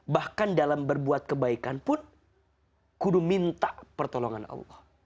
bahkan dalam berbuat kebaikan pun kudu minta pertolongan allah